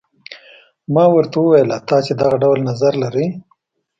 ما ورته وویل تاسي دغه ډول نظر لرئ.